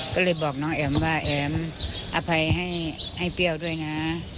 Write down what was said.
ก็เลยบอกน้องแอ๋มว่าแอ๋มอภัยให้เปรี้ยวด้วยนะ